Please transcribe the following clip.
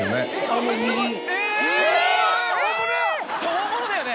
本物だよね！